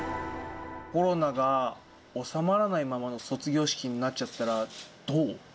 コロナが収まらないままの卒業式になっちゃったら、どう？